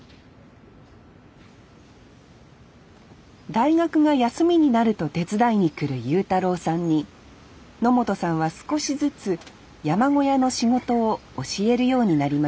大学が休みになると手伝いにくる悠太郎さんに野本さんは少しずつ山小屋の仕事を教えるようになりました